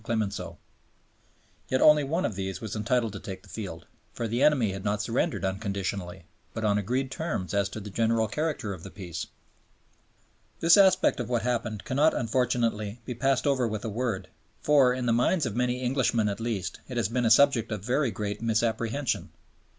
Clemenceau. Yet only one of these was entitled to take the field; for the enemy had not surrendered unconditionally, but on agreed terms as to the general character of the Peace. This aspect of what happened cannot, unfortunately, be passed over with a word, for in the minds of many Englishmen at least it has been a subject of very great misapprehension.